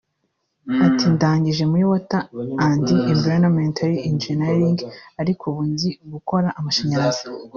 Ati “Ndangije muri Water and Environmental Engineering ariko ubu nzi gukora amashanyarazi